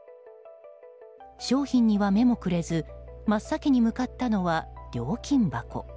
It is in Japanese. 商品には目もくれず真っ先に向かったのは料金箱。